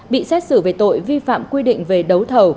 bị xét xử về tội vi phạm quy định về đấu thầu